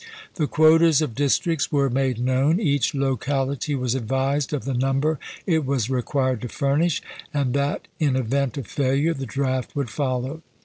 The quotas of districts were made known; each locality was advised of the number it was required to furnish, and that in event of failure the draft would follow.